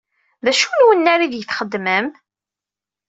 D acu n wannar ideg txeddmem?